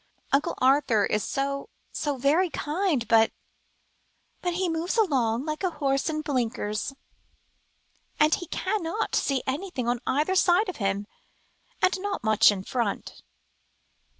"Uncle Arthur is so so very kind, but " "But, he moves along like a horse in blinkers, and he cannot see anything on either side of him, and not much in front."